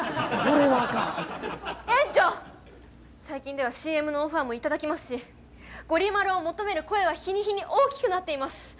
最近ではＣＭのオファーも頂きますしゴリ丸を求める声は日に日に大きくなっています。